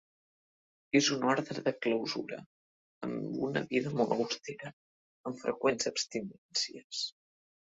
És un orde de clausura, amb una vida molt austera, amb freqüents abstinències.